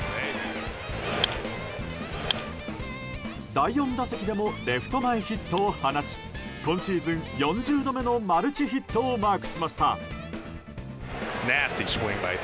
第４打席でもレフト前ヒットを放ち今シーズン４０度目のマルチヒットをマークしました。